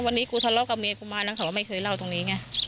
วันนี้กูทะเลาะกับเมียกูมานะเขาก็ไม่เคยเล่าตรงนี้ไง